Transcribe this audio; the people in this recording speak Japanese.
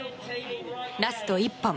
ラスト１本。